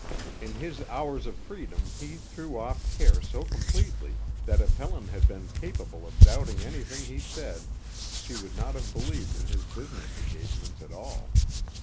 In his hours of freedom he threw off care so completely that if Helen had been capable of doubting anything he said, she would not have believed in his business engagements at all.